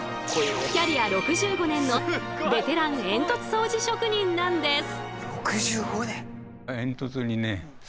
キャリア６５年のベテラン煙突掃除職人なんです。